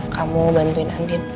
kamu bantuin andin